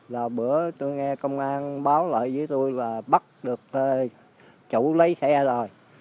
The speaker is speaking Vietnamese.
rồi bữa tôi nghe công an báo lại với tôi là bắt được chủ lấy xe rồi